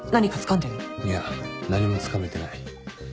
いや何もつかめてない。